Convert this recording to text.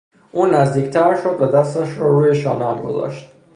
او نزدیکتر شد و دستش را روی شانهام گذاشت.